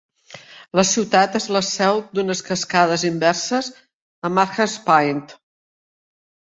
La ciutat és la seu d'unes cascades inverses a Mahar's Point.